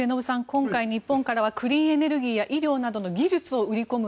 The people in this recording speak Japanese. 今回、日本からはクリーンエネルギーや医療などの技術を売り込む